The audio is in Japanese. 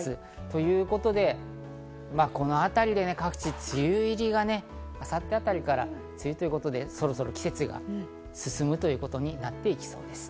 ということで、このあたりで各地、梅雨入りが明後日あたりから梅雨ということで、そろそろ季節が進むということになっていきそうです。